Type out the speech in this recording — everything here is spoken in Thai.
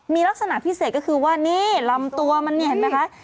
มีลักษณะพิเศษก็คือว่านี่ลำตัวมันนี่เห็นไหมคะ